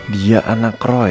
dia anak roy